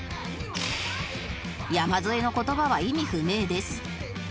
山添の言葉は意味不明です